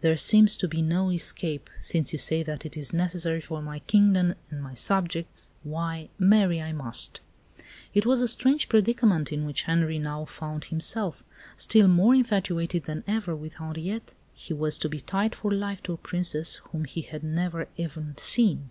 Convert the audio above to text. There seems to be no escape; since you say that it is necessary for my kingdom and my subjects, why, marry I must." It was a strange predicament in which Henri now found himself. Still more infatuated than ever with Henriette, he was to be tied for life to a Princess whom he had never even seen.